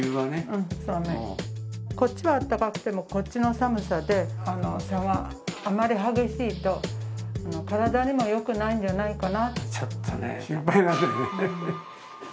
こっちはあったかくてもこっちの寒さで差があまり激しいと体にも良くないんじゃないかな。